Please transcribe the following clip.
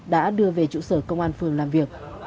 đã đưa về trụ sở công an phường làm việc